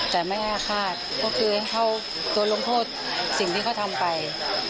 แต่ไม่อาฆาตก็คือให้เขาโดนลงโทษสิ่งที่เขาทำไป